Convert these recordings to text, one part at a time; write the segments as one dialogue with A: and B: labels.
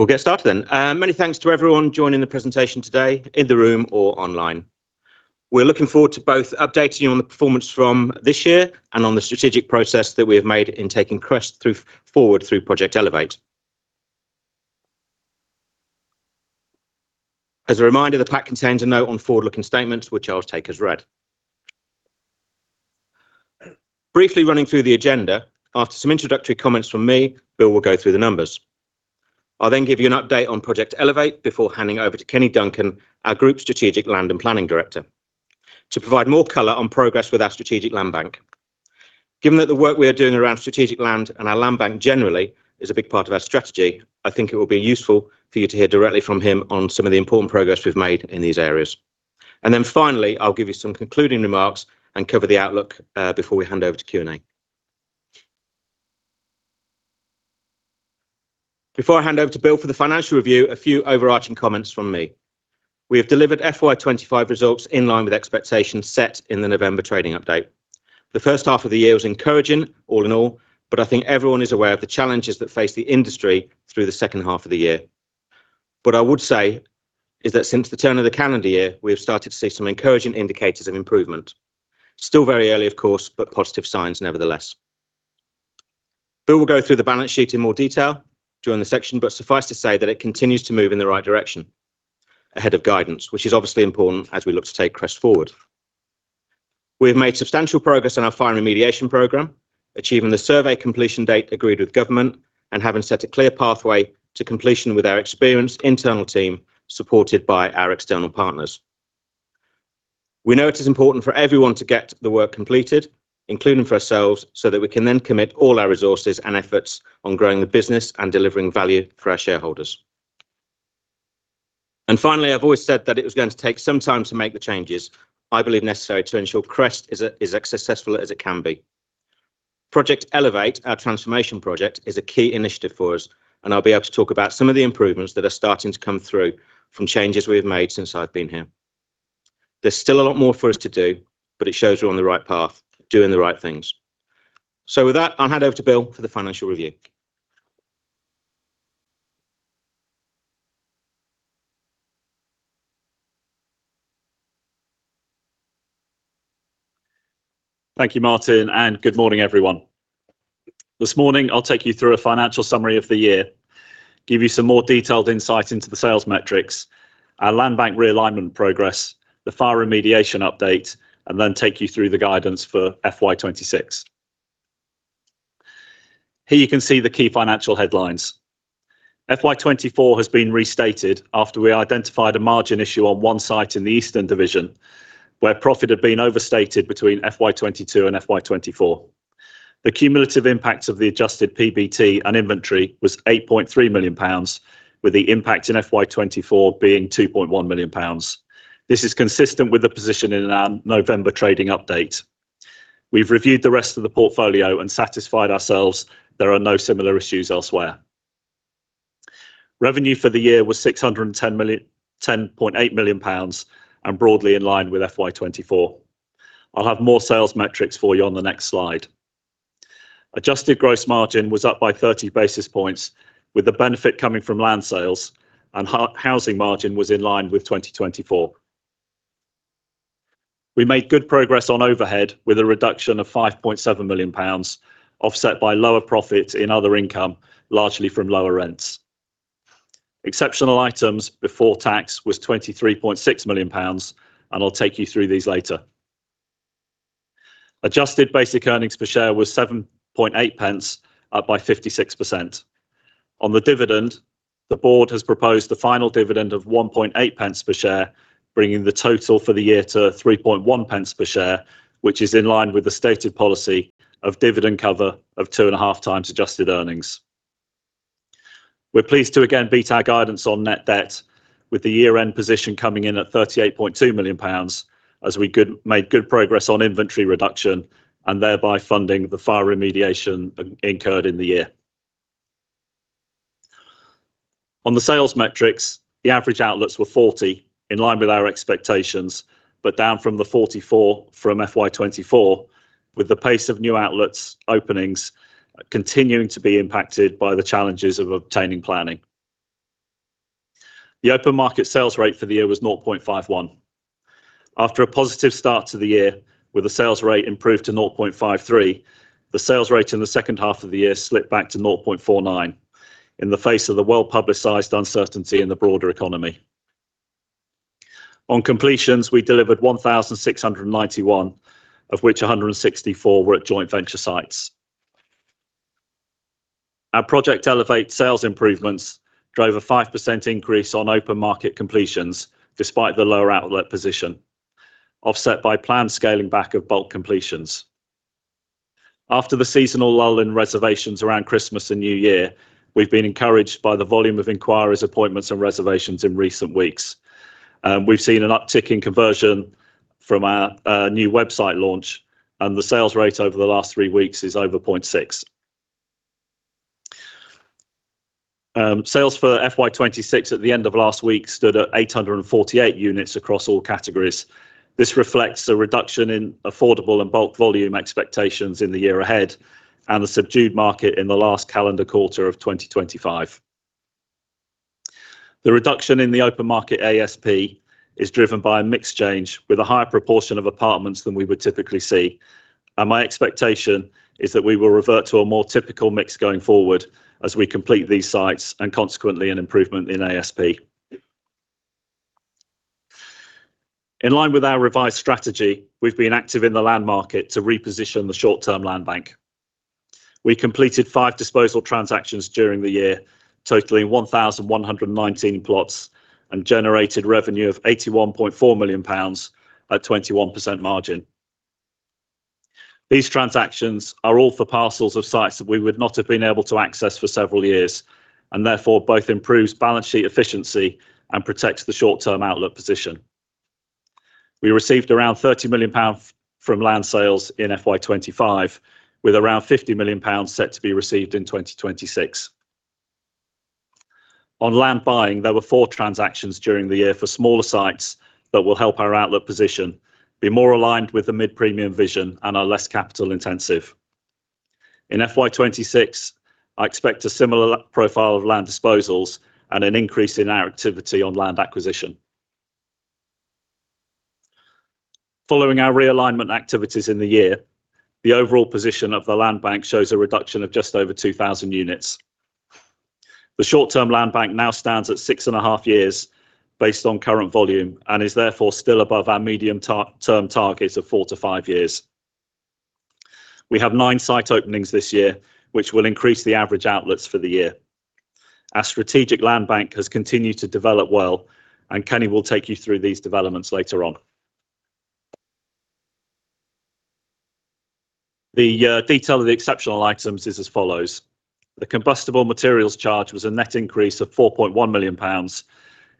A: We'll get started then. Many thanks to everyone joining the presentation today, in the room or online. We're looking forward to both updating you on the performance from this year and on the strategic process that we have made in taking Crest forward through Project Elevate. As a reminder, the pack contains a note on forward-looking statements, which I'll take as read. Briefly running through the agenda, after some introductory comments from me, Bill will go through the numbers. I'll then give you an update on Project Elevate before handing over to Kenny Duncan, our Group Strategic Land and Planning Director, to provide more color on progress with our Strategic Land Bank. Given that the work we are doing around Strategic Land and our Land Bank generally is a big part of our strategy, I think it will be useful for you to hear directly from him on some of the important progress we've made in these areas. And then finally, I'll give you some concluding remarks and cover the outlook before we hand over to Q&A. Before I hand over to Bill for the financial review, a few overarching comments from me. We have delivered FY 2025 results in line with expectations set in the November trading update. The first half of the year was encouraging, all in all, but I think everyone is aware of the challenges that face the industry through the second half of the year. What I would say is that since the turn of the calendar year, we have started to see some encouraging indicators of improvement. Still very early, of course, but positive signs nevertheless. Bill will go through the balance sheet in more detail during the section, but suffice to say that it continues to move in the right direction ahead of guidance, which is obviously important as we look to take Crest forward. We have made substantial progress on our fire remediation program, achieving the survey completion date agreed with government and having set a clear pathway to completion with our experienced internal team supported by our external partners. We know it is important for everyone to get the work completed, including for ourselves, so that we can then commit all our resources and efforts on growing the business and delivering value for our shareholders. Finally, I've always said that it was going to take some time to make the changes I believe necessary to ensure Crest is as successful as it can be. Project Elevate, our transformation project, is a key initiative for us, and I'll be able to talk about some of the improvements that are starting to come through from changes we've made since I've been here. There's still a lot more for us to do, but it shows we're on the right path, doing the right things. So with that, I'll hand over to Bill for the financial review.
B: Thank you, Martyn, and good morning, everyone. This morning, I'll take you through a financial summary of the year, give you some more detailed insight into the sales metrics, our Land Bank realignment progress, the fire remediation update, and then take you through the guidance for FY 2026. Here you can see the key financial headlines. FY 2024 has been restated after we identified a margin issue on one site in the Eastern Division, where profit had been overstated between FY 2022 and FY 2024. The cumulative impact of the adjusted PBT and inventory was 8.3 million pounds, with the impact in FY 2024 being 2.1 million pounds. This is consistent with the position in our November trading update. We've reviewed the rest of the portfolio and satisfied ourselves there are no similar issues elsewhere. Revenue for the year was 610.8 million, and broadly in line with FY 2024. I'll have more sales metrics for you on the next slide. Adjusted gross margin was up by 30 basis points, with the benefit coming from land sales, and housing margin was in line with 2024. We made good progress on overhead with a reduction of 5.7 million pounds, offset by lower profit in other income, largely from lower rents. Exceptional items before tax was 23.6 million pounds, and I'll take you through these later. Adjusted basic earnings per share was 7.8, up by 56%. On the dividend, the board has proposed the final dividend of 1.8 per share, bringing the total for the year to 3.1 per share, which is in line with the stated policy of dividend cover of two and a half times adjusted earnings. We're pleased to again beat our guidance on net debt, with the year-end position coming in at 38.2 million pounds, as we made good progress on inventory reduction and thereby funding the fire remediation incurred in the year. On the sales metrics, the average outlets were 40, in line with our expectations, but down from the 44 from FY 2024, with the pace of new outlets openings continuing to be impacted by the challenges of obtaining planning. The open market sales rate for the year was 0.51. After a positive start to the year, with the sales rate improved to 0.53, the sales rate in the second half of the year slipped back to 0.49, in the face of the well-publicised uncertainty in the broader economy. On completions, we delivered 1,691, of which 164 were at joint venture sites. Our Project Elevate sales improvements drove a 5% increase on open market completions, despite the lower outlet position, offset by planned scaling back of bulk completions. After the seasonal lull in reservations around Christmas and New Year, we've been encouraged by the volume of inquiries, appointments, and reservations in recent weeks. We've seen an uptick in conversion from our new website launch, and the sales rate over the last three weeks is over 0.6. Sales for FY 2026 at the end of last week stood at 848 units across all categories. This reflects a reduction in affordable and bulk volume expectations in the year ahead and the subdued market in the last calendar quarter of 2025. The reduction in the open market ASP is driven by a mixed change, with a higher proportion of apartments than we would typically see. My expectation is that we will revert to a more typical mix going forward as we complete these sites and consequently an improvement in ASP. In line with our revised strategy, we've been active in the land market to reposition the short-term land bank. We completed five disposal transactions during the year, totaling 1,119 plots, and generated revenue of 81.4 million pounds at 21% margin. These transactions are all for parcels of sites that we would not have been able to access for several years, and therefore both improves balance sheet efficiency and protects the short-term outlet position. We received around 30 million pounds from land sales in FY 2025, with around 50 million pounds set to be received in 2026. On land buying, there were four transactions during the year for smaller sites that will help our outlet position be more aligned with the mid-premium vision and are less capital intensive. In FY2026, I expect a similar profile of land disposals and an increase in our activity on land acquisition. Following our realignment activities in the year, the overall position of the land bank shows a reduction of just over 2,000 units. The short-term land bank now stands at 6.5 years based on current volume and is therefore still above our medium-term targets of four to five years. We have nine site openings this year, which will increase the average outlets for the year. Our strategic land bank has continued to develop well, and Kenny will take you through these developments later on. The detail of the exceptional items is as follows. The Combustible Materials Charge was a net increase of 4.1 million pounds,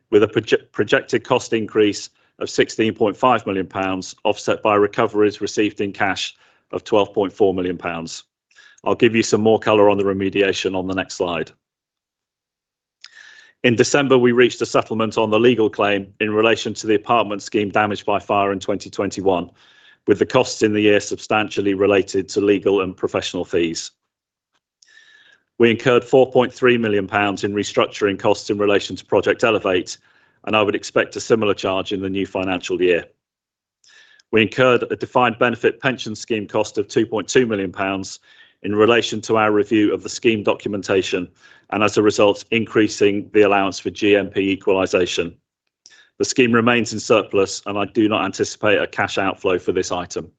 B: with a projected cost increase of 16.5 million pounds, offset by recoveries received in cash of 12.4 million pounds. I'll give you some more color on the remediation on the next slide. In December, we reached a settlement on the legal claim in relation to the apartment scheme damaged by fire in 2021, with the costs in the year substantially related to legal and professional fees. We incurred 4.3 million pounds in restructuring costs in relation to Project Elevate, and I would expect a similar charge in the new financial year. We incurred a defined benefit pension scheme cost of 2.2 million pounds in relation to our review of the scheme documentation, and as a result, increasing the allowance for GMP Equalisation. The scheme remains in surplus, and I do not anticipate a cash outflow for this item.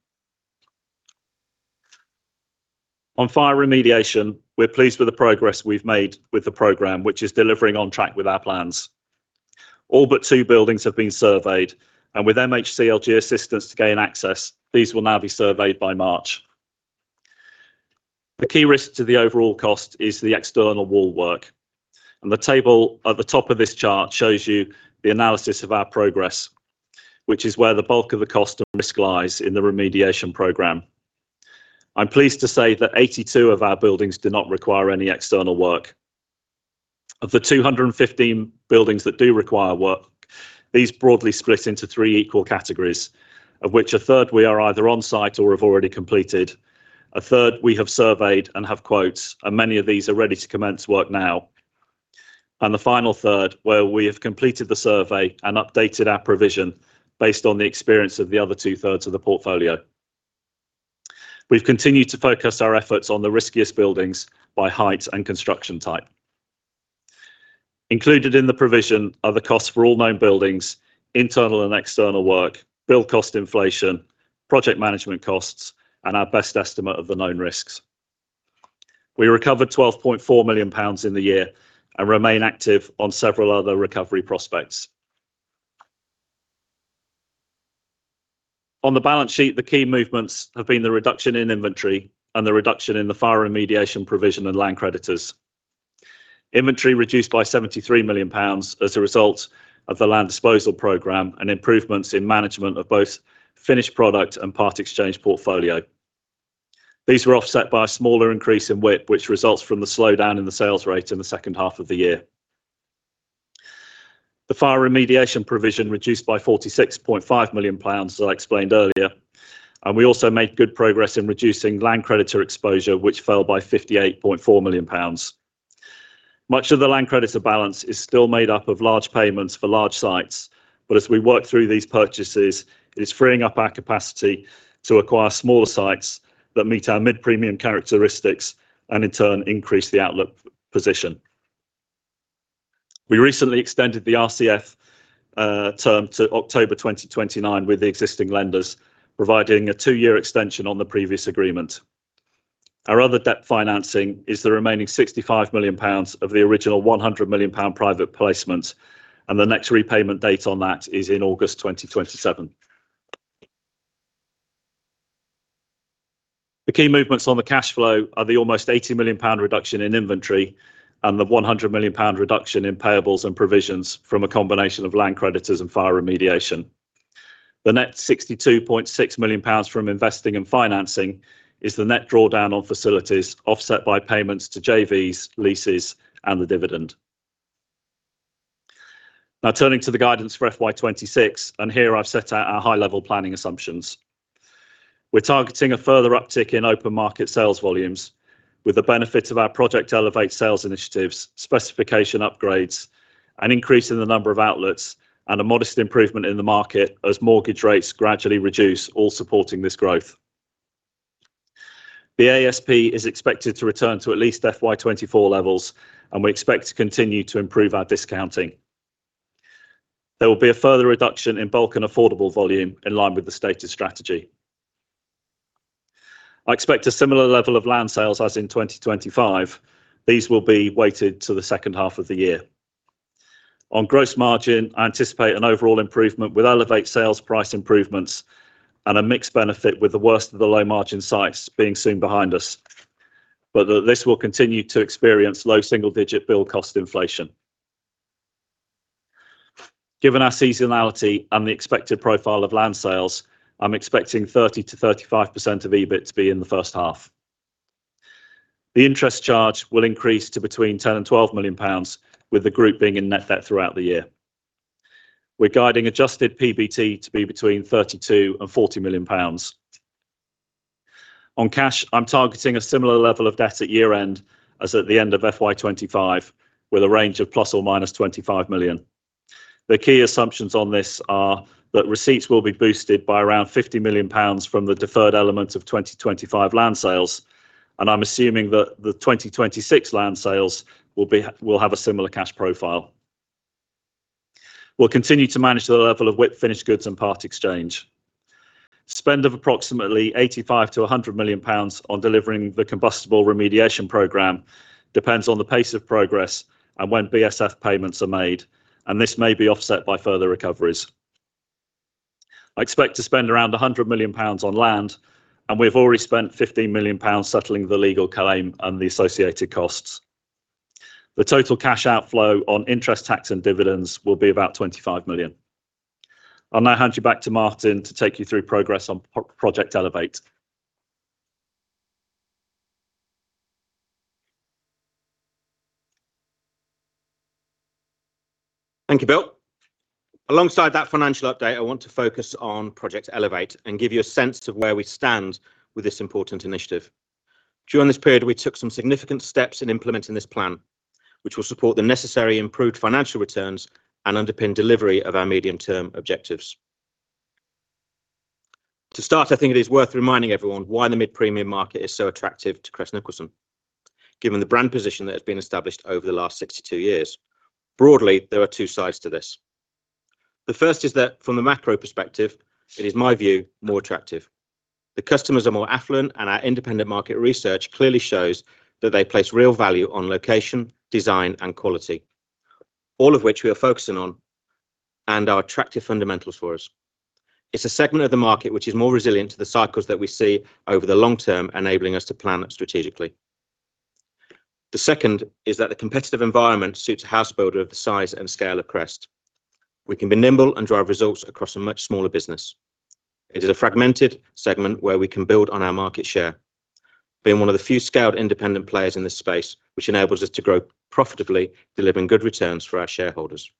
B: On fire remediation, we're pleased with the progress we've made with the program, which is delivering on track with our plans. All but 2 buildings have been surveyed, and with MHCLG assistance to gain access, these will now be surveyed by March. The key risk to the overall cost is the external wall work, and the table at the top of this chart shows you the analysis of our progress, which is where the bulk of the cost and risk lies in the remediation program. I'm pleased to say that 82 of our buildings do not require any external work. Of the 215 buildings that do require work, these broadly split into three equal categories, of which a third we are either on site or have already completed, a third we have surveyed and have quotes, and many of these are ready to commence work now, and the final third where we have completed the survey and updated our provision based on the experience of the other two-thirds of the portfolio. We've continued to focus our efforts on the riskiest buildings by height and construction type. Included in the provision are the costs for all known buildings, internal and external work, build cost inflation, project management costs, and our best estimate of the known risks. We recovered 12.4 million pounds in the year and remain active on several other recovery prospects. On the balance sheet, the key movements have been the reduction in inventory and the reduction in the fire remediation provision and land creditors. Inventory reduced by 73 million pounds as a result of the land disposal program and improvements in management of both finished product and part exchange portfolio. These were offset by a smaller increase in WIP, which results from the slowdown in the sales rate in the second half of the year. The fire remediation provision reduced by 46.5 million pounds, as I explained earlier, and we also made good progress in reducing land creditor exposure, which fell by 58.4 million pounds. Much of the land creditor balance is still made up of large payments for large sites, but as we work through these purchases, it is freeing up our capacity to acquire smaller sites that meet our mid-premium characteristics and, in turn, increase the outlet position. We recently extended the RCF term to October 2029 with the existing lenders, providing a two-year extension on the previous agreement. Our other debt financing is the remaining 65 million pounds of the original 100 million pound private placement, and the next repayment date on that is in August 2027. The key movements on the cash flow are the almost 80 million pound reduction in inventory and the 100 million pound reduction in payables and provisions from a combination of land creditors and fire remediation. The net 62.6 million pounds from investing and financing is the net drawdown on facilities, offset by payments to JVs, leases, and the dividend. Now, turning to the guidance for FY 2026, and here I've set out our high-level planning assumptions. We're targeting a further uptick in open market sales volumes, with the benefit of our Project Elevate sales initiatives, specification upgrades, an increase in the number of outlets, and a modest improvement in the market as mortgage rates gradually reduce, all supporting this growth. The ASP is expected to return to at least FY 2024 levels, and we expect to continue to improve our discounting. There will be a further reduction in bulk and affordable volume in line with the stated strategy. I expect a similar level of land sales as in 2025. These will be weighted to the second half of the year. On gross margin, I anticipate an overall improvement with Elevate sales price improvements and a mixed benefit, with the worst of the low-margin sites being soon behind us, but that this will continue to experience low single-digit build cost inflation. Given our seasonality and the expected profile of land sales, I'm expecting 30%-35% of EBIT to be in the first half. The interest charge will increase to between 10 million and 12 million pounds, with the group being in net debt throughout the year. We're guiding adjusted PBT to be between 32 million and 40 million pounds. On cash, I'm targeting a similar level of debt at year-end as at the end of FY 2025, with a range of plus or minus 25 million. The key assumptions on this are that receipts will be boosted by around 50 million pounds from the deferred element of 2025 land sales, and I'm assuming that the 2026 land sales will have a similar cash profile. We'll continue to manage the level of WIP finished goods and part exchange. Spend of approximately 85 million-100 million pounds on delivering the combustible remediation program depends on the pace of progress and when BSF payments are made, and this may be offset by further recoveries. I expect to spend around 100 million pounds on land, and we've already spent 15 million pounds settling the legal claim and the associated costs. The total cash outflow on interest tax and dividends will be about 25 million. I'll now hand you back to Martyn to take you through progress on Project Elevate.
A: Thank you, Bill. Alongside that financial update, I want to focus on Project Elevate and give you a sense of where we stand with this important initiative. During this period, we took some significant steps in implementing this plan, which will support the necessary improved financial returns and underpin delivery of our medium-term objectives. To start, I think it is worth reminding everyone why the mid-premium market is so attractive to Crest Nicholson, given the brand position that has been established over the last 62 years. Broadly, there are two sides to this. The first is that, from the macro perspective, it is, in my view, more attractive. The customers are more affluent, and our independent market research clearly shows that they place real value on location, design, and quality, all of which we are focusing on and are attractive fundamentals for us. It's a segment of the market which is more resilient to the cycles that we see over the long term, enabling us to plan strategically. The second is that the competitive environment suits a house builder of the size and scale of Crest. We can be nimble and drive results across a much smaller business. It is a fragmented segment where we can build on our market share, being one of the few scaled independent players in this space, which enables us to grow profitably, delivering good returns for our shareholders.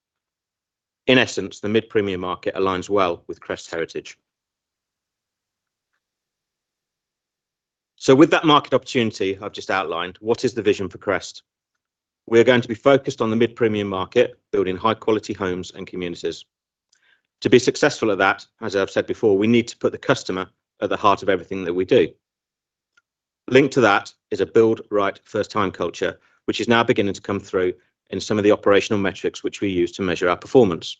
A: In essence, the mid-premium market aligns well with Crest Heritage. So, with that market opportunity I've just outlined, what is the vision for Crest? We are going to be focused on the mid-premium market, building high-quality homes and communities. To be successful at that, as I've said before, we need to put the customer at the heart of everything that we do. Linked to that is a build right first-time culture, which is now beginning to come through in some of the operational metrics which we use to measure our performance.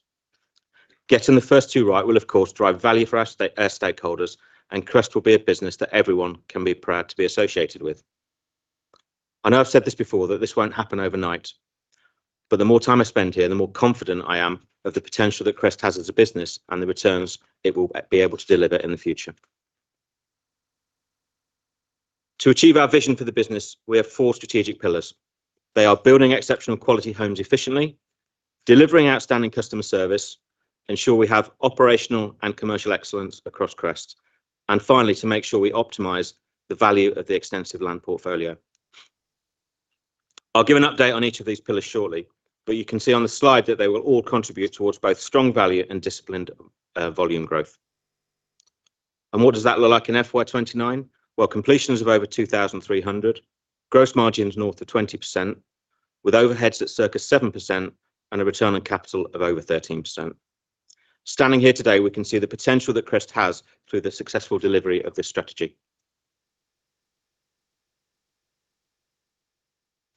A: Getting the first two right will, of course, drive value for our stakeholders, and Crest will be a business that everyone can be proud to be associated with. I know I've said this before, that this won't happen overnight, but the more time I spend here, the more confident I am of the potential that Crest has as a business and the returns it will be able to deliver in the future. To achieve our vision for the business, we have four strategic pillars. They are building exceptional quality homes efficiently, delivering outstanding customer service, ensure we have operational and commercial excellence across Crest, and finally, to make sure we optimize the value of the extensive land portfolio. I'll give an update on each of these pillars shortly, but you can see on the slide that they will all contribute towards both strong value and disciplined volume growth. And what does that look like in FY 2029? Well, completions of over 2,300, gross margins north of 20%, with overheads at circa 7% and a return on capital of over 13%. Standing here today, we can see the potential that Crest has through the successful delivery of this strategy.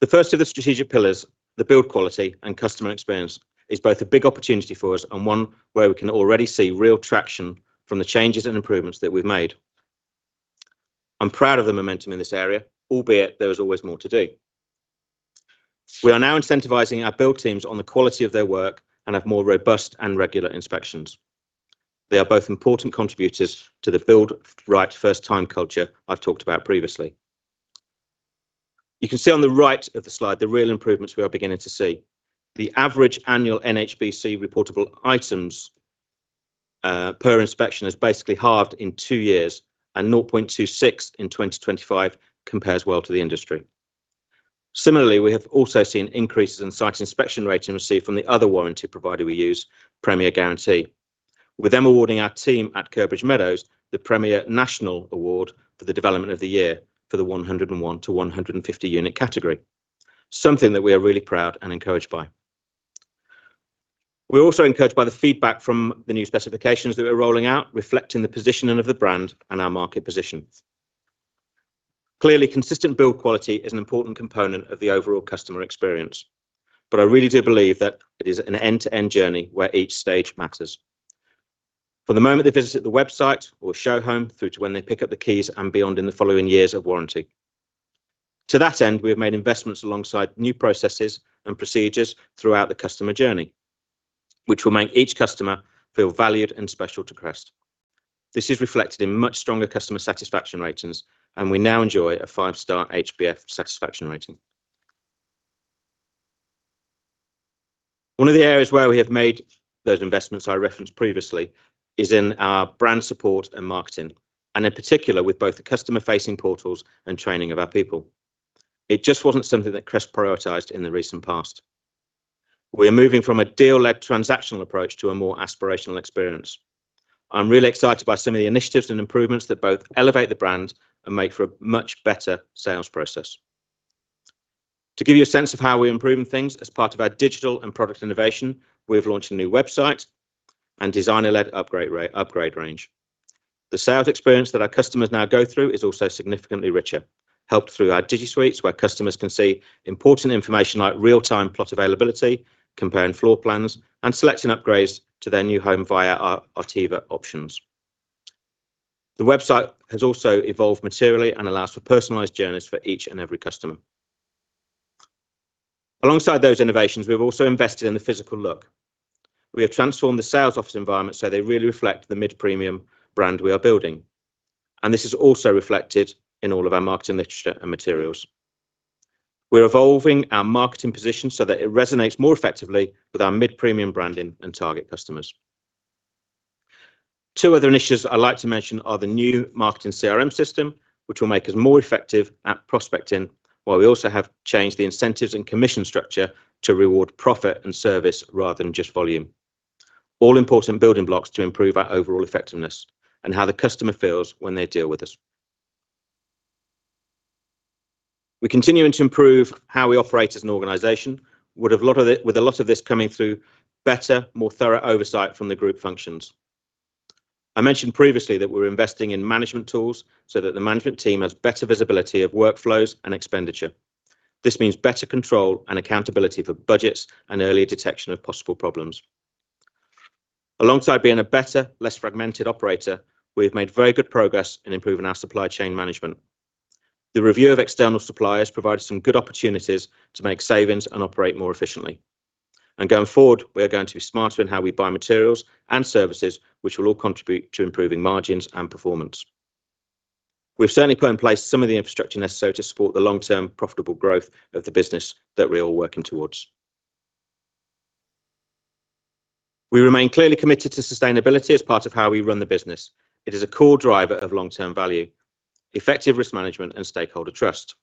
A: The first of the strategic pillars, the build quality and customer experience, is both a big opportunity for us and one where we can already see real traction from the changes and improvements that we've made. I'm proud of the momentum in this area, albeit there is always more to do. We are now incentivizing our build teams on the quality of their work and have more robust and regular inspections. They are both important contributors to the build right first-time culture I've talked about previously. You can see on the right of the slide the real improvements we are beginning to see. The average annual NHBC reportable items per inspection is basically halved in two years, and 0.26 in 2025 compares well to the industry. Similarly, we have also seen increases in site inspection rates received from the other warranty provider we use, Premier Guarantee, with them awarding our team at Curbridge Meadows the Premier National Award for the development of the year for the 101-150 unit category, something that we are really proud and encouraged by. We're also encouraged by the feedback from the new specifications that we're rolling out, reflecting the positioning of the brand and our market position. Clearly, consistent build quality is an important component of the overall customer experience, but I really do believe that it is an end-to-end journey where each stage matters. From the moment they visit the website or show home through to when they pick up the keys and beyond in the following years of warranty. To that end, we have made investments alongside new processes and procedures throughout the customer journey, which will make each customer feel valued and special to Crest. This is reflected in much stronger customer satisfaction ratings, and we now enjoy a five-star HBF satisfaction rating. One of the areas where we have made those investments I referenced previously is in our brand support and marketing, and in particular with both the customer-facing portals and training of our people. It just wasn't something that Crest prioritized in the recent past. We are moving from a deal-led transactional approach to a more aspirational experience. I'm really excited by some of the initiatives and improvements that both elevate the brand and make for a much better sales process. To give you a sense of how we're improving things as part of our digital and product innovation, we've launched a new website and designer-led upgrade range. The sales experience that our customers now go through is also significantly richer, helped through our DigiSuites, where customers can see important information like real-time plot availability, comparing floor plans, and selecting upgrades to their new home via our Ativa options. The website has also evolved materially and allows for personalized journeys for each and every customer. Alongside those innovations, we've also invested in the physical look. We have transformed the sales office environment so they really reflect the mid-premium brand we are building, and this is also reflected in all of our marketing literature and materials. We're evolving our marketing position so that it resonates more effectively with our mid-premium branding and target customers. Two other initiatives I'd like to mention are the new marketing CRM system, which will make us more effective at prospecting, while we also have changed the incentives and commission structure to reward profit and service rather than just volume. All important building blocks to improve our overall effectiveness and how the customer feels when they deal with us. We continue to improve how we operate as an organization, with a lot of this coming through better, more thorough oversight from the group functions. I mentioned previously that we're investing in management tools so that the management team has better visibility of workflows and expenditure. This means better control and accountability for budgets and early detection of possible problems. Alongside being a better, less fragmented operator, we have made very good progress in improving our supply chain management. The review of external suppliers provided some good opportunities to make savings and operate more efficiently. Going forward, we are going to be smarter in how we buy materials and services, which will all contribute to improving margins and performance. We've certainly put in place some of the infrastructure necessary to support the long-term profitable growth of the business that we're all working towards. We remain clearly committed to sustainability as part of how we run the business. It is a core driver of long-term value, effective risk management, and stakeholder trust.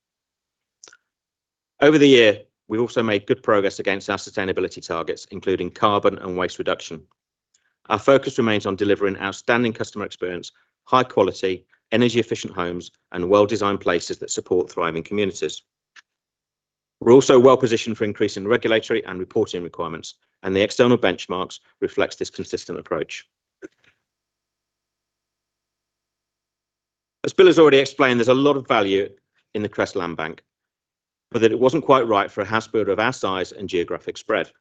A: Over the year, we've also made good progress against our sustainability targets, including carbon and waste reduction. Our focus remains on delivering outstanding customer experience, high-quality, energy-efficient homes, and well-designed places that support thriving communities. We're also well positioned for increasing regulatory and reporting requirements, and the external benchmarks reflect this consistent approach. As Bill has already explained, there's a lot of value in the Crest Land Bank, but it wasn't quite right for a house builder of our size and geographic spread.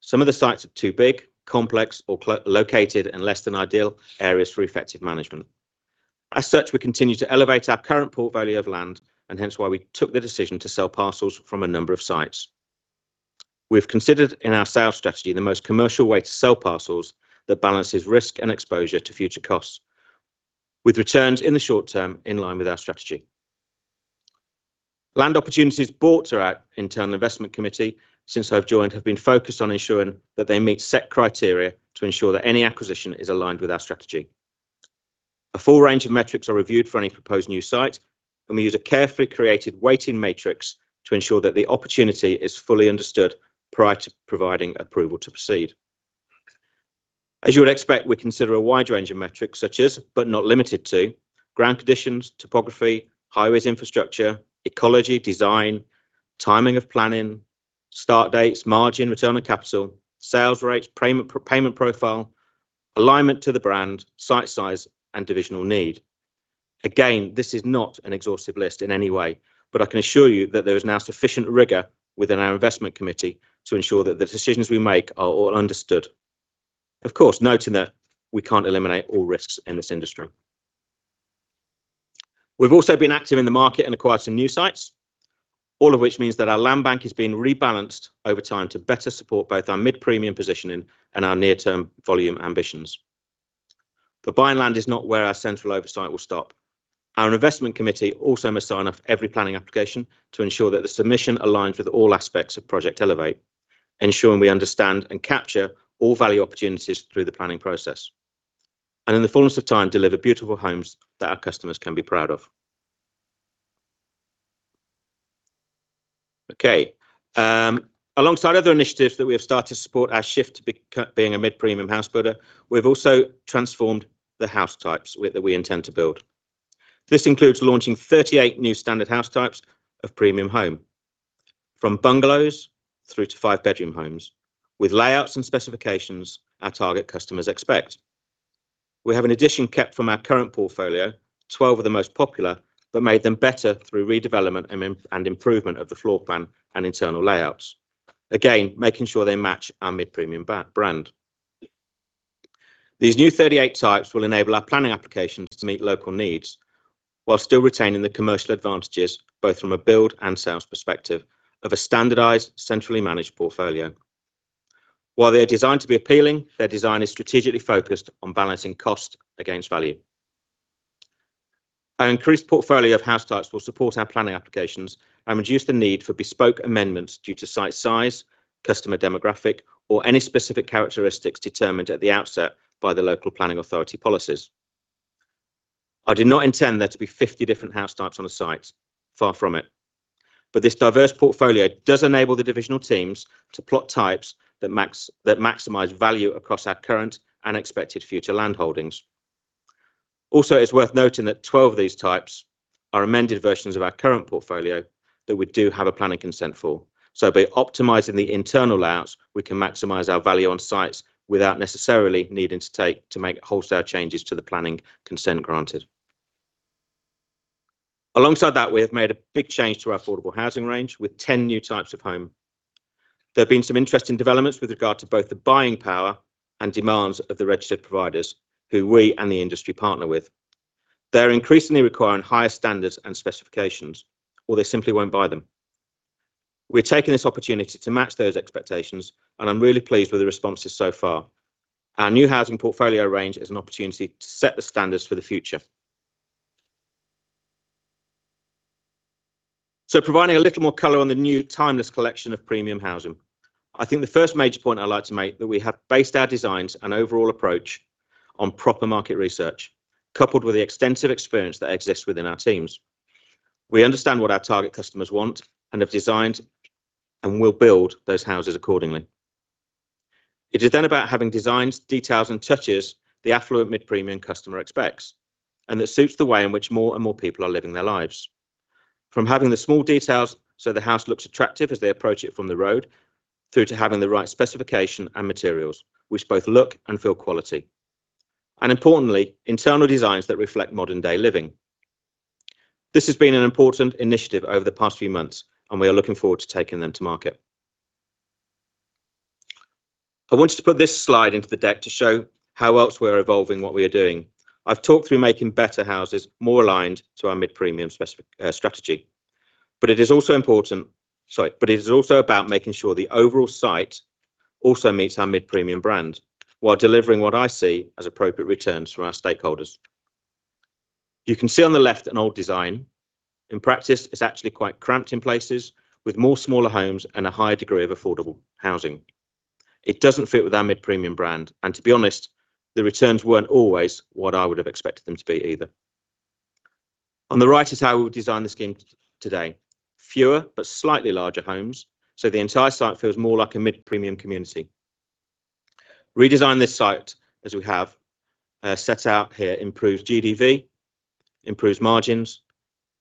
A: Some of the sites are too big, complex, or located in less than ideal areas for effective management. As such, we continue to elevate our current portfolio of land, and hence why we took the decision to sell parcels from a number of sites. We've considered in our sales strategy the most commercial way to sell parcels that balances risk and exposure to future costs, with returns in the short term in line with our strategy. Land opportunities bought throughout internal investment committee since I've joined have been focused on ensuring that they meet set criteria to ensure that any acquisition is aligned with our strategy. A full range of metrics are reviewed for any proposed new site, and we use a carefully created weighting matrix to ensure that the opportunity is fully understood prior to providing approval to proceed. As you would expect, we consider a wide range of metrics such as, but not limited to, ground conditions, topography, highways infrastructure, ecology design, timing of planning, start dates, margin, return on capital, sales rates, payment profile, alignment to the brand, site size, and divisional need. Again, this is not an exhaustive list in any way, but I can assure you that there is now sufficient rigor within our investment committee to ensure that the decisions we make are all understood. Of course, noting that we can't eliminate all risks in this industry. We've also been active in the market and acquired some new sites, all of which means that our land bank has been rebalanced over time to better support both our mid-premium positioning and our near-term volume ambitions. The buying land is not where our central oversight will stop. Our investment committee also must sign off every planning application to ensure that the submission aligns with all aspects of Project Elevate, ensuring we understand and capture all value opportunities through the planning process, and in the fullness of time, deliver beautiful homes that our customers can be proud of. Okay. Alongside other initiatives that we have started to support our shift to being a mid-premium house builder, we've also transformed the house types that we intend to build. This includes launching 38 new standard house types of premium home, from bungalows through to five-bedroom homes, with layouts and specifications our target customers expect. We have an addition kept from our current portfolio, 12 of the most popular, but made them better through redevelopment and improvement of the floor plan and internal layouts, again, making sure they match our mid-premium brand. These new 38 types will enable our planning applications to meet local needs while still retaining the commercial advantages, both from a build and sales perspective, of a standardized, centrally managed portfolio. While they are designed to be appealing, their design is strategically focused on balancing cost against value. Our increased portfolio of house types will support our planning applications and reduce the need for bespoke amendments due to site size, customer demographic, or any specific characteristics determined at the outset by the local planning authority policies. I do not intend there to be 50 different house types on a site, far from it, but this diverse portfolio does enable the divisional teams to plot types that maximize value across our current and expected future land holdings. Also, it's worth noting that 12 of these types are amended versions of our current portfolio that we do have a planning consent for. So, by optimizing the internal layouts, we can maximize our value on sites without necessarily needing to make wholesale changes to the planning consent granted. Alongside that, we have made a big change to our affordable housing range with 10 new types of home. There have been some interesting developments with regard to both the buying power and demands of the registered providers who we and the industry partner with. They're increasingly requiring higher standards and specifications, or they simply won't buy them. We're taking this opportunity to match those expectations, and I'm really pleased with the responses so far. Our new housing portfolio range is an opportunity to set the standards for the future. So, providing a little more color on the new Timeless Collection of premium housing, I think the first major point I'd like to make is that we have based our designs and overall approach on proper market research, coupled with the extensive experience that exists within our teams. We understand what our target customers want and have designed and will build those houses accordingly. It is then about having designs, details, and touches the affluent mid-premium customer expects and that suits the way in which more and more people are living their lives. From having the small details so the house looks attractive as they approach it from the road, through to having the right specification and materials, which both look and feel quality, and importantly, internal designs that reflect modern-day living. This has been an important initiative over the past few months, and we are looking forward to taking them to market. I wanted to put this slide into the deck to show how else we're evolving what we are doing. I've talked through making better houses, more aligned to our mid-premium strategy, but it is also important, sorry, but it is also about making sure the overall site also meets our mid-premium brand while delivering what I see as appropriate returns from our stakeholders. You can see on the left an old design. In practice, it's actually quite cramped in places with more smaller homes and a higher degree of affordable housing. It doesn't fit with our mid-premium brand, and to be honest, the returns weren't always what I would have expected them to be either. On the right is how we design the scheme today: fewer but slightly larger homes so the entire site feels more like a mid-premium community. Redesign this site as we have set out here improves GDV, improves margins,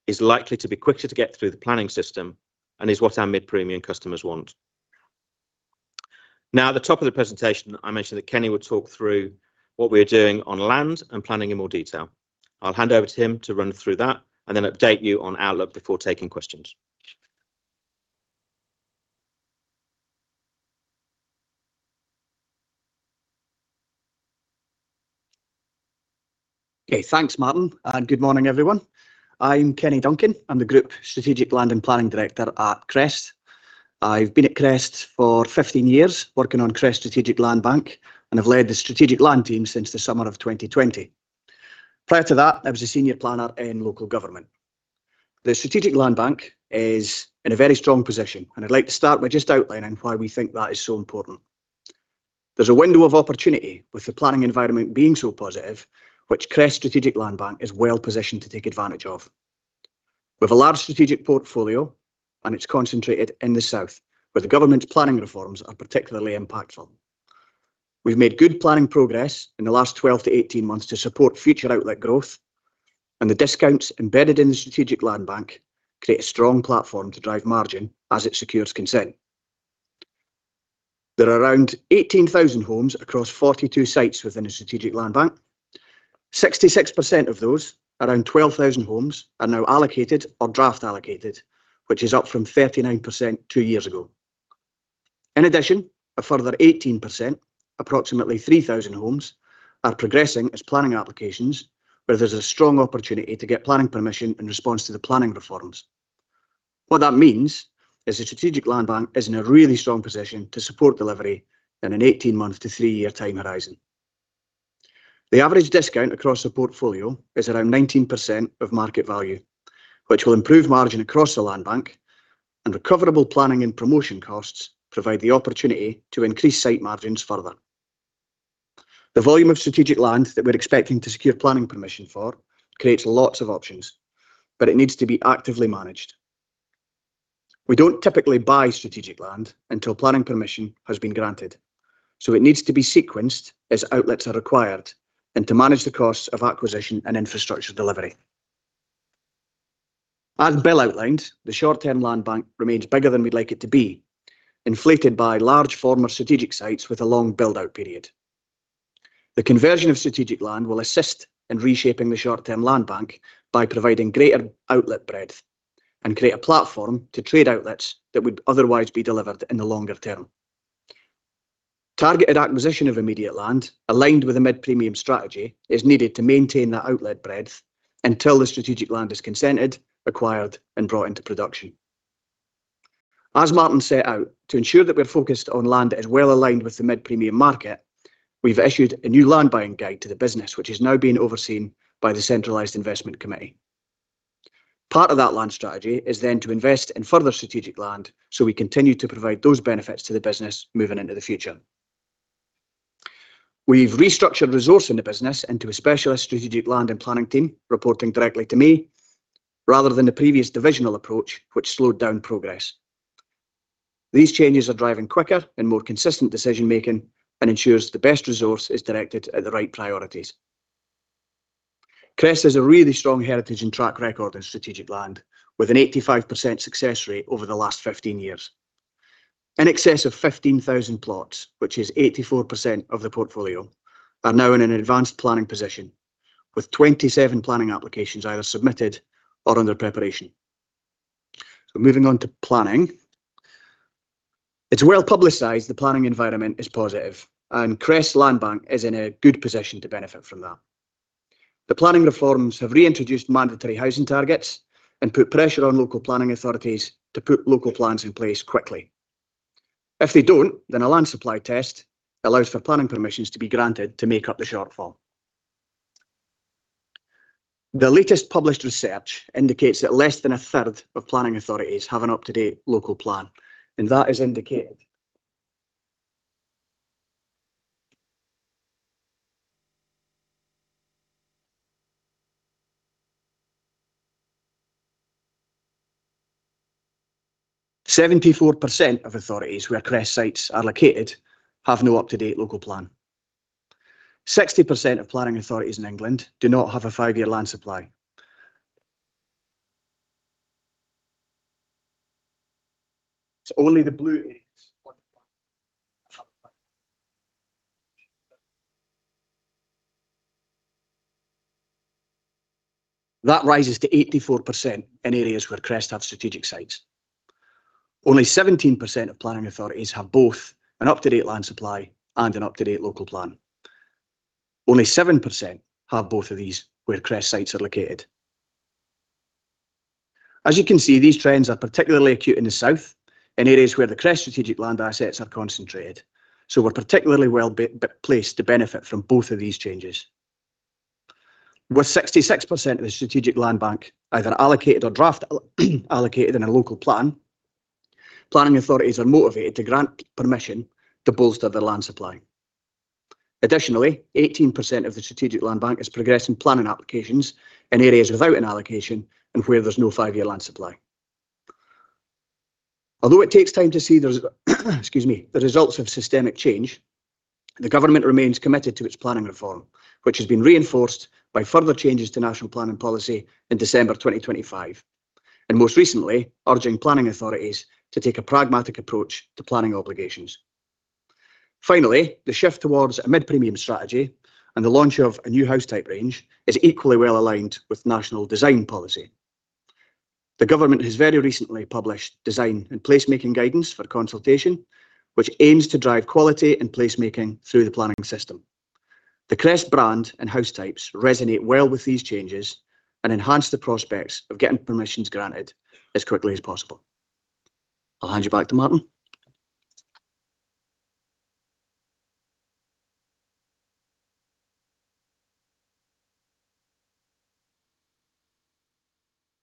A: is likely to be quicker to get through the planning system, and is what our mid-premium customers want. Now, at the top of the presentation, I mentioned that Kenny would talk through what we are doing on land and planning in more detail. I'll hand over to him to run through that and then update you on Outlook before taking questions.
C: Okay, thanks, Martyn, and good morning, everyone. I'm Kenny Duncan. I'm the Group Strategic Land and Planning Director at Crest. I've been at Crest for 15 years, working on Crest Strategic Land Bank, and I've led the Strategic Land Team since the summer of 2020. Prior to that, I was a senior planner in local government. The Strategic Land Bank is in a very strong position, and I'd like to start by just outlining why we think that is so important. There's a window of opportunity with the planning environment being so positive, which Crest Strategic Land Bank is well positioned to take advantage of. We have a large strategic portfolio, and it's concentrated in the south, where the government's planning reforms are particularly impactful. We've made good planning progress in the last 12-18 months to support future outlet growth, and the discounts embedded in the Strategic Land Bank create a strong platform to drive margin as it secures consent. There are around 18,000 homes across 42 sites within the Strategic Land Bank. 66% of those, around 12,000 homes, are now allocated or draft allocated, which is up from 39% two years ago. In addition, a further 18%, approximately 3,000 homes, are progressing as planning applications, where there's a strong opportunity to get planning permission in response to the planning reforms. What that means is the Strategic Land Bank is in a really strong position to support delivery in an 18-month to three-year time horizon. The average discount across the portfolio is around 19% of market value, which will improve margin across the land bank, and recoverable planning and promotion costs provide the opportunity to increase site margins further. The volume of strategic land that we're expecting to secure planning permission for creates lots of options, but it needs to be actively managed. We don't typically buy strategic land until planning permission has been granted, so it needs to be sequenced as outlets are required and to manage the costs of acquisition and infrastructure delivery. As Bill outlined, the short-term land bank remains bigger than we'd like it to be, inflated by large former strategic sites with a long build-out period. The conversion of strategic land will assist in reshaping the short-term land bank by providing greater outlet breadth and create a platform to trade outlets that would otherwise be delivered in the longer term. Targeted acquisition of immediate land aligned with a mid-premium strategy is needed to maintain that outlet breadth until the strategic land is consented, acquired, and brought into production. As Martyn set out, to ensure that we're focused on land that is well aligned with the mid-premium market, we've issued a new land buying guide to the business, which is now being overseen by the Centralized Investment Committee. Part of that land strategy is then to invest in further strategic land so we continue to provide those benefits to the business moving into the future. We've restructured resources in the business into a specialist strategic land and planning team reporting directly to me rather than the previous divisional approach, which slowed down progress. These changes are driving quicker and more consistent decision-making and ensure the best resource is directed at the right priorities. Crest has a really strong heritage and track record in strategic land, with an 85% success rate over the last 15 years. In excess of 15,000 plots, which is 84% of the portfolio, are now in an advanced planning position, with 27 planning applications either submitted or under preparation. Moving on to planning, it's well publicized the planning environment is positive, and Crest land bank is in a good position to benefit from that. The planning reforms have reintroduced mandatory housing targets and put pressure on local planning authorities to put local plans in place quickly. If they don't, then a land supply test allows for planning permissions to be granted to make up the shortfall. The latest published research indicates that less than a third of planning authorities have an up-to-date local plan, and that is indicated. 74% of authorities where Crest sites are located have no up-to-date local plan. 60% of planning authorities in England do not have a five-year land supply. Only the blue areas on the plan. That rises to 84% in areas where Crest have strategic sites. Only 17% of planning authorities have both an up-to-date land supply and an up-to-date local plan. Only 7% have both of these where Crest sites are located. As you can see, these trends are particularly acute in the south, in areas where the Crest strategic land assets are concentrated, so we're particularly well placed to benefit from both of these changes. With 66% of the strategic land bank either allocated or draft allocated in a local plan, planning authorities are motivated to grant permission to bolster the land supply. Additionally, 18% of the strategic land bank is progressing planning applications in areas without an allocation and where there's no five-year land supply. Although it takes time to see the results of systemic change, the government remains committed to its planning reform, which has been reinforced by further changes to national planning policy in December 2025, and most recently urging planning authorities to take a pragmatic approach to planning obligations. Finally, the shift towards a mid-premium strategy and the launch of a new house type range is equally well aligned with national design policy. The government has very recently published design and placemaking guidance for consultation, which aims to drive quality and placemaking through the planning system. The Crest brand and house types resonate well with these changes and enhance the prospects of getting permissions granted as quickly as possible. I'll hand you back to Martyn.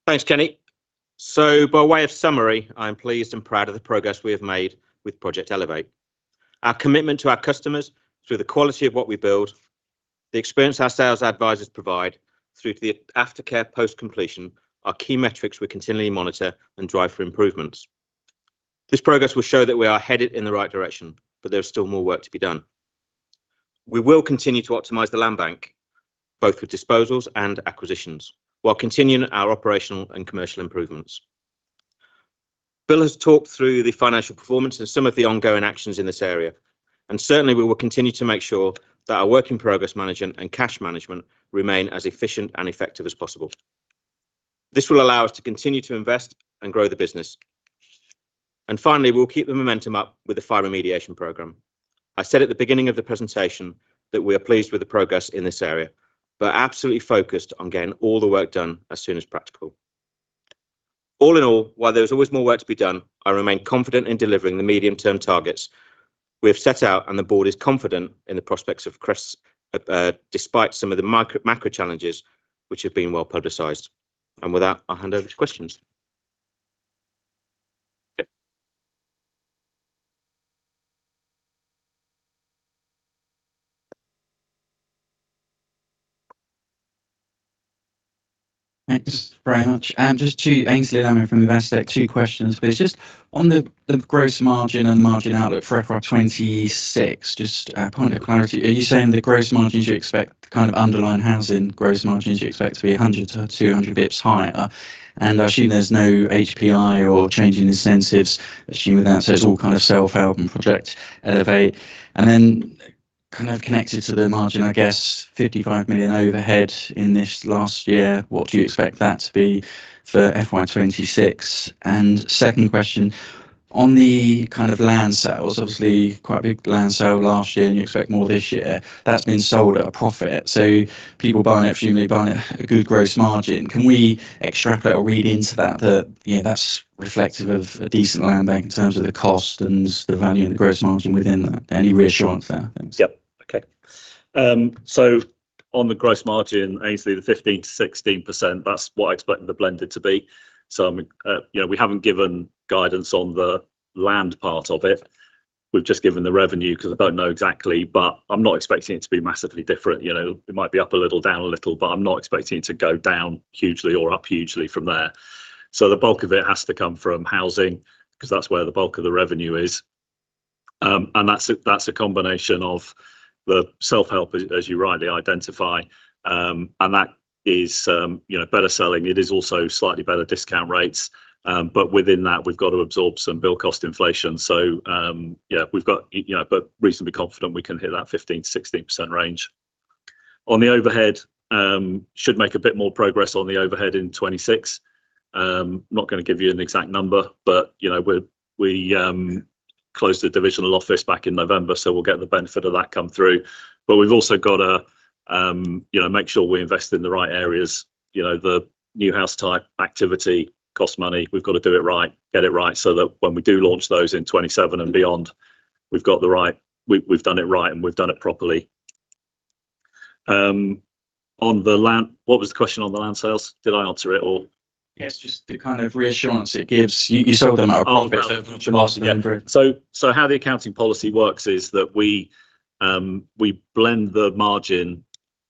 A: Thanks, Kenny. So, by way of summary, I'm pleased and proud of the progress we have made with Project Elevate. Our commitment to our customers through the quality of what we build, the experience our sales advisors provide through to the aftercare post-completion are key metrics we continually monitor and drive for improvements. This progress will show that we are headed in the right direction, but there is still more work to be done. We will continue to optimize the land bank, both with disposals and acquisitions, while continuing our operational and commercial improvements. Bill has talked through the financial performance and some of the ongoing actions in this area, and certainly we will continue to make sure that our work in progress management and cash management remain as efficient and effective as possible. This will allow us to continue to invest and grow the business. And finally, we'll keep the momentum up with the fire remediation program. I said at the beginning of the presentation that we are pleased with the progress in this area, but absolutely focused on getting all the work done as soon as practical. All in all, while there is always more work to be done, I remain confident in delivering the medium-term targets we have set out, and the board is confident in the prospects of Crest Nicholson despite some of the macro challenges, which have been well publicised. And with that, I'll hand over to questions.
D: Thanks very much. Just to Aynsley Lammin from Investec, two questions. Just on the gross margin and margin outlook for FR26, just a point of clarity, are you saying the gross margins you expect kind of underlying housing gross margins you expect to be 100-200 basis points higher? And I assume there's no HPI or change in incentives, assuming that's all kind of self-help and Project Elevate. And then kind of connected to the margin, I guess, 55 million overhead in this last year, what do you expect that to be for FY2026? And second question, on the kind of land sales, obviously quite a big land sale last year, and you expect more this year, that's been sold at a profit. So people buying it, presumably buying it at a good gross margin. Can we extrapolate or read into that that that's reflective of a decent land bank in terms of the cost and the value and the gross margin within that? Any reassurance there?
B: Yep. Okay. So on the gross margin, Aynsley, the 15%-16%, that's what I expect the blended to be. So we haven't given guidance on the land part of it. We've just given the revenue because I don't know exactly, but I'm not expecting it to be massively different. It might be up a little, down a little, but I'm not expecting it to go down hugely or up hugely from there. So the bulk of it has to come from housing because that's where the bulk of the revenue is. And that's a combination of the self-help, as you rightly identify, and that is better selling. It is also slightly better discount rates, but within that, we've got to absorb some build cost inflation. So yeah, we've got to be reasonably confident we can hit that 15%-16% range. On the overhead, should make a bit more progress on the overhead in 2026. I'm not going to give you an exact number, but we closed the divisional office back in November, so we'll get the benefit of that come through. But we've also got to make sure we invest in the right areas. The new house type activity costs money. We've got to do it right, get it right so that when we do launch those in 2027 and beyond, we've got the right, we've done it right, and we've done it properly. On the land, what was the question on the land sales? Did I answer it, or?
D: Yes, just the kind of reassurance it gives. You spoke about a bit of what you've asked again.
B: So how the accounting policy works is that we blend the margin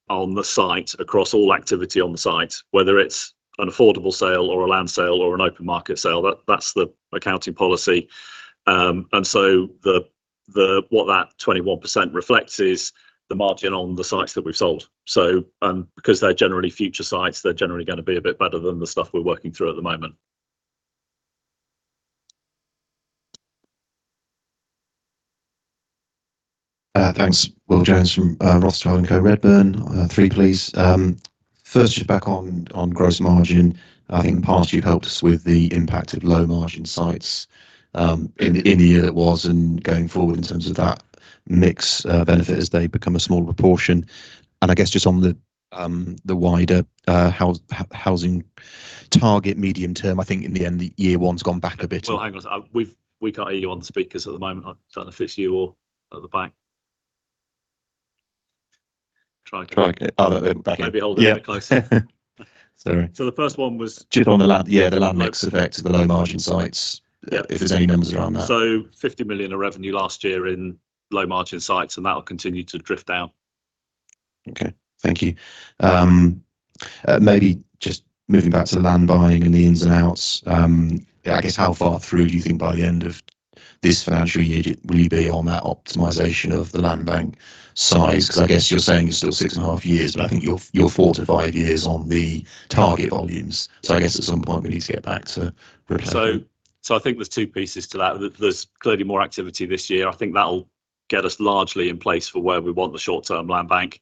B: on the site across all activity on the site, whether it's an affordable sale or a land sale or an open market sale. That's the accounting policy. So what that 21% reflects is the margin on the sites that we've sold. So because they're generally future sites, they're generally going to be a bit better than the stuff we're working through at the moment.
D: Thanks.
E: Will Jones from Redburn Atlantic, three, please. First, just back on gross margin. I think past year helped us with the impact of low margin sites in the year that was and going forward in terms of that mix benefit as they become a smaller proportion. And I guess just on the wider, housing target medium term, I think in the end, year one's gone back a bit. We've got a year on the speakers at the moment. I don't know if it's you or at the back. Try again. Maybe hold it closer.
B: So the first one was.
E: Yeah, the land mix effect of the low margin sites. If there's any numbers around that.
B: So 50 million of revenue last year in low margin sites, and that'll continue to drift down.
E: Okay. Thank you. Maybe just moving back to land buying and the ins and outs. I guess how far through do you think by the end of this financial year will you be on that optimization of the land bank size? Because I guess you're saying it's still six and a half years, but I think you're four to five years on the target volumes. So I guess at some point we need to get back to.
B: So I think there's two pieces to that. There's clearly more activity this year. I think that'll get us largely in place for where we want the short-term land bank.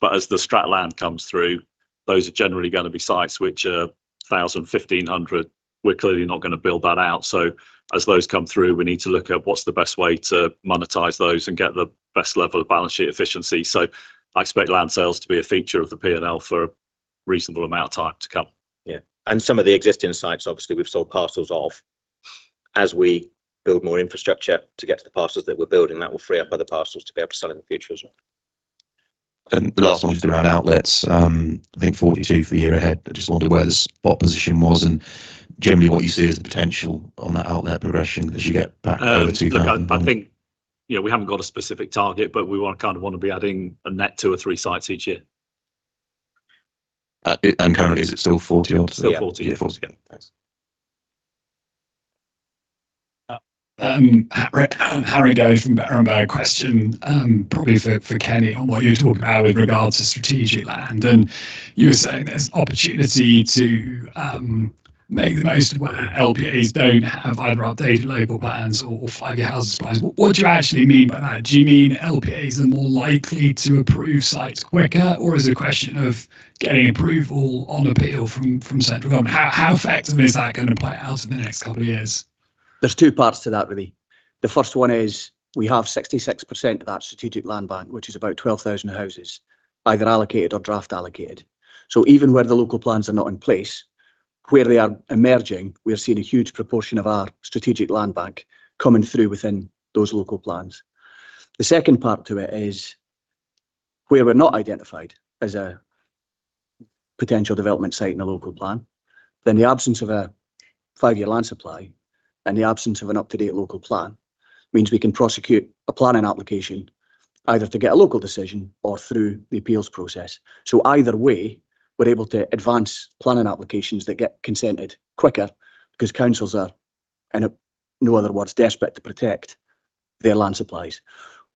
B: But as the strategic land comes through, those are generally going to be sites which are 1,000, 1,500. We're clearly not going to build that out. So as those come through, we need to look at what's the best way to monetize those and get the best level of balance sheet efficiency. So I expect land sales to be a feature of the P&L for a reasonable amount of time to come.
A: Yeah. And some of the existing sites, obviously, we've sold parcels off. As we build more infrastructure to get to the parcels that we're building, that will free up other parcels to be able to sell in the future as well. And last one is around outlets. I think 42 for year ahead. I just wondered where the spot position was.
E: Generally, what you see is the potential on that outlet progression as you get back over 2000.
B: I think we haven't got a specific target, but we kind of want to be adding a net two or three sites each year.
E: And currently, is it still 40?
B: Still 40. Yeah.
F: Thanks. Harry Goad from Berenberg question, probably for Kenny on what you're talking about with regards to strategic land. And you were saying there's opportunity to make the most of where LPAs don't have either updated local plans or five-year house plans. What do you actually mean by that? Do you mean LPAs are more likely to approve sites quicker, or is it a question of getting approval on appeal from central government? How effective is that going to play out in the next couple of years?
C: There's two parts to that, really. The first one is we have 66% of that strategic land bank, which is about 12,000 houses, either allocated or draft allocated. So even where the local plans are not in place, where they are emerging, we're seeing a huge proportion of our strategic land bank coming through within those local plans. The second part to it is where we're not identified as a potential development site in a local plan, then the absence of a five-year land supply and the absence of an up-to-date local plan means we can prosecute a planning application either to get a local decision or through the appeals process. So either way, we're able to advance planning applications that get consented quicker because councils are, in other words, desperate to protect their land supplies.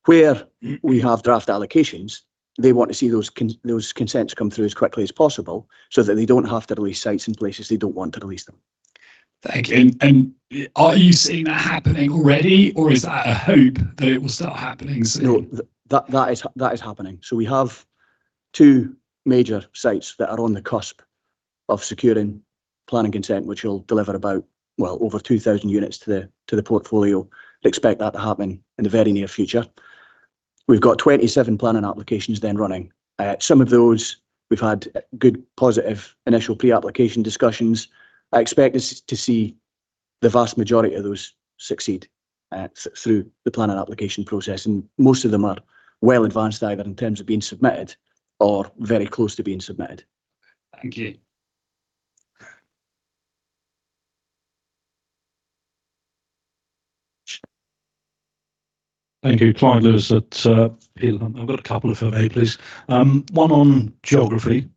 C: Where we have draft allocations, they want to see those consents come through as quickly as possible so that they don't have to release sites in places they don't want to release them.
F: Thank you. And are you seeing that happening already, or is that a hope that it will start happening soon?
C: That is happening. So we have two major sites that are on the cusp of securing planning consent, which will deliver about, well, over 2,000 units to the portfolio. Expect that to happen in the very near future. We've got 27 planning applications then running. Some of those, we've had good positive initial pre-application discussions. I expect us to see the vast majority of those succeed through the planning application process. And most of them are well advanced either in terms of being submitted or very close to being submitted.
F: Thank you.
C: Thank you.
G: Five of those that appealed. I've got a couple of them made, please. One on geography.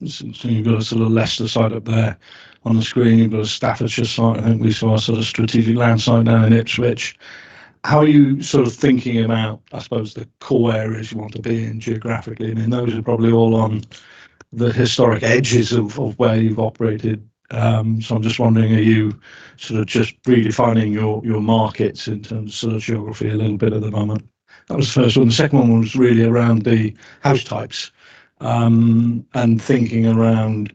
G: You've got a sort of Leicester site up there on the screen. You've got a Staffordshire site. I think we saw a sort of strategic land site now in Ipswich. How are you sort of thinking about, I suppose, the core areas you want to be in geographically? And those are probably all on the historic edges of where you've operated. So I'm just wondering, are you sort of just redefining your markets in terms of sort of geography a little bit at the moment? That was the first one. The second one was really around the house types and thinking around,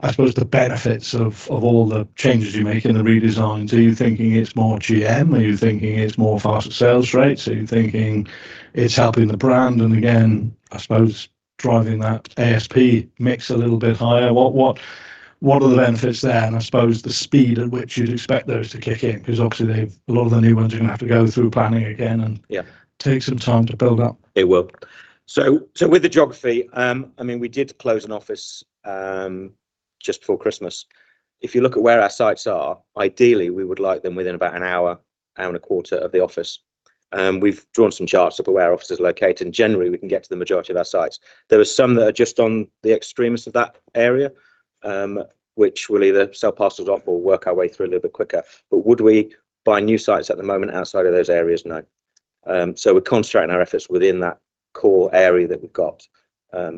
G: I suppose, the benefits of all the changes you make in the redesign. Are you thinking it's more GM? Are you thinking it's more faster sales rates? Are you thinking it's helping the brand? And again, I suppose, driving that ASP mix a little bit higher. What are the benefits there? And I suppose the speed at which you'd expect those to kick in because obviously a lot of the new ones are going to have to go through planning again and take some time to build up.
A: It will. So with the geography, I mean, we did close an office just before Christmas. If you look at where our sites are, ideally, we would like them within about an hour, hour and a quarter of the office. We've drawn some charts up of where our office is located, and generally, we can get to the majority of our sites. There are some that are just on the extremes of that area, which we'll either sell parcels off or work our way through a little bit quicker. But would we buy new sites at the moment outside of those areas? No. So we're concentrating our efforts within that core area that we've got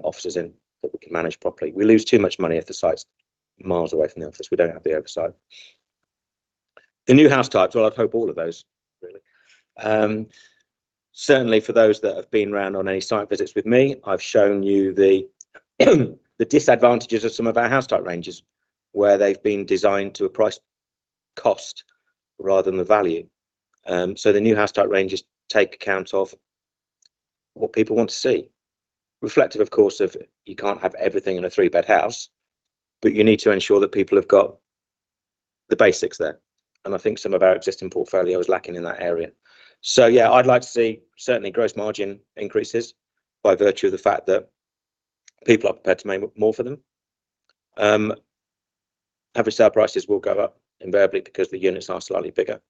A: offices in that we can manage properly. We lose too much money if the site's miles away from the office. We don't have the oversight. The new house types, well, I'd hope all of those, really. Certainly, for those that have been around on any site visits with me, I've shown you the disadvantages of some of our house type ranges where they've been designed to a price cost rather than the value. So the new house type ranges take account of what people want to see. Reflective, of course, of you can't have everything in a three-bed house, but you need to ensure that people have got the basics there. And I think some of our existing portfolio is lacking in that area. So yeah, I'd like to see certainly gross margin increases by virtue of the fact that people are prepared to make more for them. Average sale prices will go up invariably because the units are slightly bigger.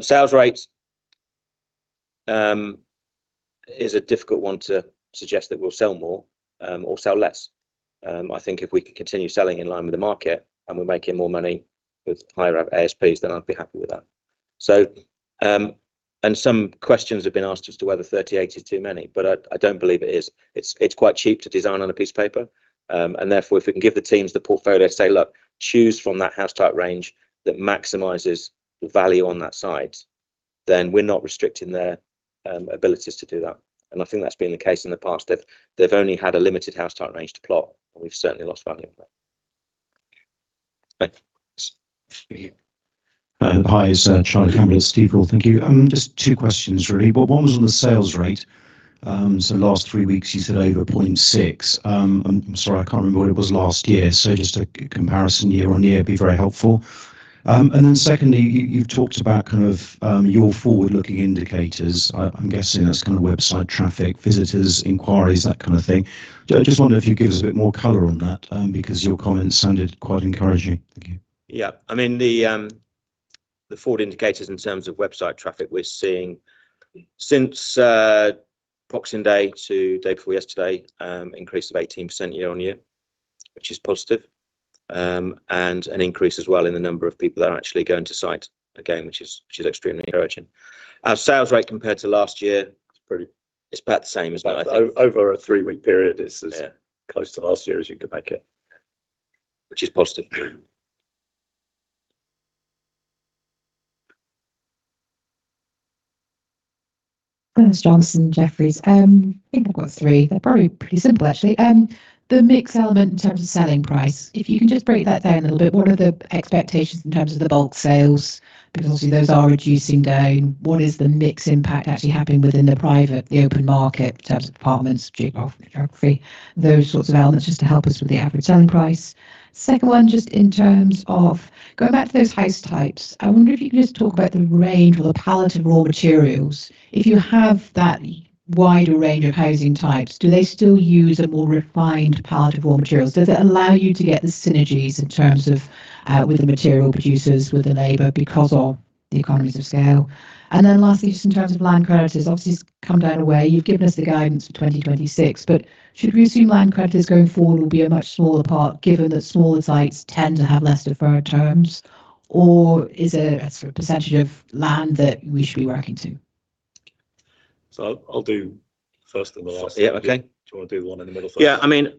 A: Sales rate is a difficult one to suggest that we'll sell more or sell less. I think if we can continue selling in line with the market and we're making more money with higher ASPs, then I'd be happy with that. And some questions have been asked as to whether 38 is too many, but I don't believe it is. It's quite cheap to design on a piece of paper. And therefore, if we can give the teams the portfolio to say, "Look, choose from that house type range that maximizes the value on that side," then we're not restricting their abilities to do that. I think that's been the case in the past. They've only had a limited house type range to plot, and we've certainly lost value on that.
H: Hi. This is Charlie Campbell at Stifel. Thank you. Just two questions, really. One was on the sales rate. So last three weeks, you said over 0.6. I'm sorry, I can't remember what it was last year. So just a comparison year-over-year would be very helpful. And then secondly, you've talked about kind of your forward-looking indicators. I'm guessing that's kind of website traffic, visitors, inquiries, that kind of thing. Just wonder if you'd give us a bit more color on that because your comments sounded quite encouraging. Thank you.
A: Yeah. I mean, the forward indicators in terms of website traffic we're seeing since approximately day to day before yesterday, increase of 18% year-over-year, which is positive. And an increase as well in the number of people that are actually going to site again, which is extremely encouraging. Our sales rate compared to last year is about the same as that. Over a three-week period, it's as close to last year as you could make it, which is positive.
H: Thanks,
I: Johnson and Jefferies. I think I've got three. They're probably pretty simple, actually. The mix element in terms of selling price, if you can just break that down a little bit, what are the expectations in terms of the bulk sales? Because obviously, those are reducing down. What is the mix impact actually happening within the private, the open market in terms of apartments, geography, those sorts of elements just to help us with the average selling price? Second one, just in terms of going back to those house types, I wonder if you can just talk about the range or the palette of raw materials. If you have that wider range of housing types, do they still use a more refined palette of raw materials? Does it allow you to get the synergies in terms of with the material producers, with the labor because of the economies of scale? And then lastly, just in terms of land creditors, obviously, it's come down a way. You've given us the guidance for 2026, but should we assume land creditors going forward will be a much smaller part given that smaller sites tend to have less deferred terms? Or is it a percentage of land that we should be working to?
B: So I'll do first and the last. Yeah. Okay. Do you want to do the one in the middle first?
A: Yeah. I mean,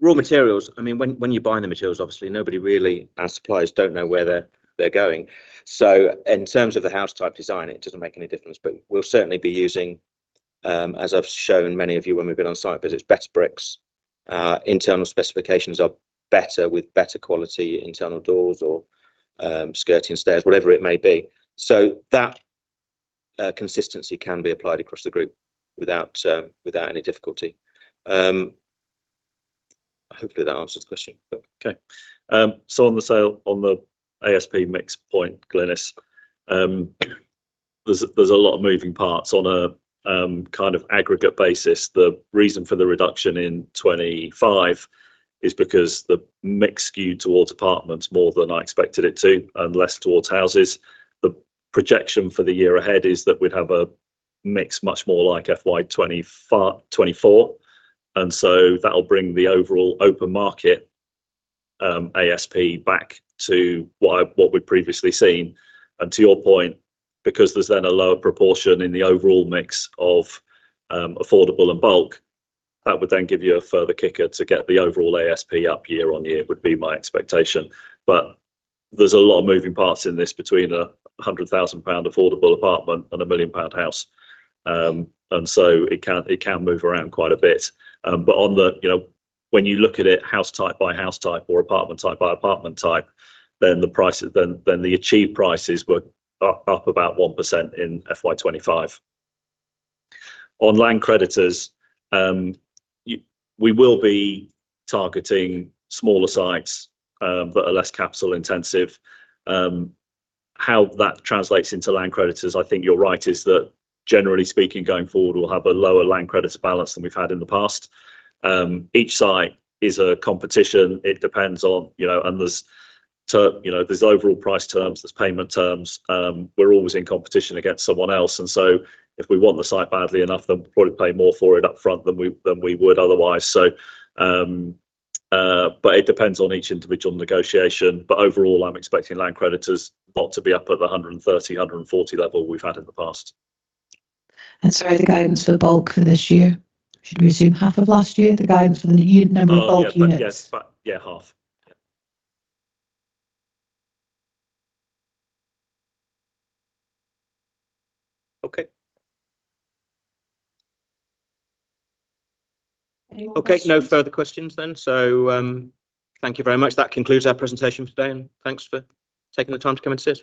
A: raw materials, I mean, when you buy the materials, obviously, nobody really, our suppliers don't know where they're going. So in terms of the house type design, it doesn't make any difference. But we'll certainly be using, as I've shown many of you when we've been on site visits, better bricks. Internal specifications are better with better quality internal doors or skirting stairs, whatever it may be. So that consistency can be applied across the group without any difficulty. Hopefully, that answers the question.
B: Okay. So on the ASP mix point, Glynis, there's a lot of moving parts on a kind of aggregate basis. The reason for the reduction in 25 is because the mix skewed towards apartments more than I expected it to and less towards houses. The projection for the year ahead is that we'd have a mix much more like FY 2024. So that'll bring the overall open market ASP back to what we've previously seen. To your point, because there's then a lower proportion in the overall mix of affordable and bulk, that would then give you a further kicker to get the overall ASP up year-on-year, would be my expectation. But there's a lot of moving parts in this between a 100,000 pound affordable apartment and a 1 million pound house. So it can move around quite a bit. But when you look at it house type by house type or apartment type by apartment type, then the achieved prices were up about 1% in FY 2025. On land creditors, we will be targeting smaller sites that are less capital intensive. How that translates into land creditors, I think you're right, is that generally speaking, going forward, we'll have a lower land creditor balance than we've had in the past. Each site is a competition. It depends on, and there's overall price terms, there's payment terms. We're always in competition against someone else. And so if we want the site badly enough, then we'll probably pay more for it upfront than we would otherwise. But it depends on each individual negotiation. But overall, I'm expecting land creditors not to be up at the 130 million-140 million level we've had in the past.
I: And sorry, the guidance for the bulk for this year, should we assume half of last year, the guidance for the new number of bulk units?
B: Yeah, half.
A: Okay. Okay. No further questions then. So thank you very much. That concludes our presentation for today. Thanks for taking the time to come and see us.